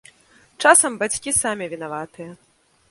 Часам бацькі самі вінаватыя.